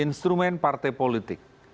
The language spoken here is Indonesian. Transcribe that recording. instrumen partai politik